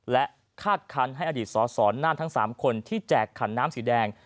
และคาดคันให้อดีตสสน่านทั้ง๓คนที่แจกขันน้ำสีแดง